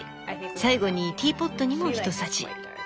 最後にティーポットにもひとさじ。